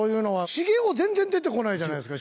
茂王全然出てこないじゃないですか！